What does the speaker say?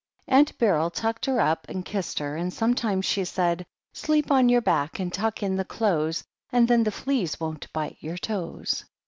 Aunt Beryl tucked her up and kissed her, and some times she said : "Sleep on your back and tuck in the clothes, and then the fleas won't bite your toes."